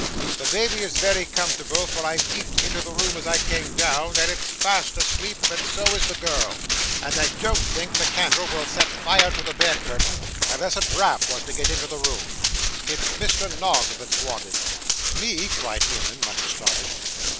'The baby is very comfortable, for I peeped into the room as I came down, and it's fast asleep, and so is the girl; and I don't think the candle will set fire to the bed curtain, unless a draught was to get into the room it's Mr. Noggs that's wanted.' 'Me!' cried Newman, much astonished.